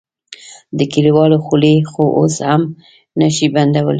د کليوالو خولې خو اوس هم نه شې بندولی.